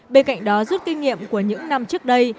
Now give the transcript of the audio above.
bên cạnh đó rút kinh nghiệm của những năm trước đây